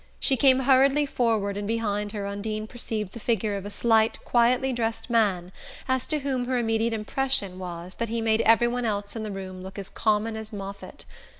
She came hurriedly forward and behind her Undine perceived the figure of a slight quietly dressed man, as to whom her immediate impression was that he made every one else in the room look as common as Moffatt.